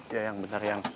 iya yang bener yang